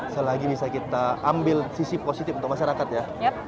selagi bisa kita ambil sisi positif untuk masyarakat ya